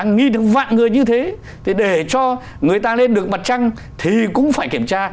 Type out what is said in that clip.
nghi được vạn người như thế thì để cho người ta lên được mặt trăng thì cũng phải kiểm tra